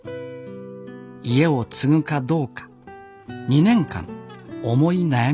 家を継ぐかどうか２年間思い悩みました。